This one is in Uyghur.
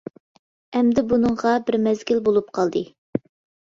ئەمدى بۇنىڭغا بىر مەزگىل بولۇپ قالدى.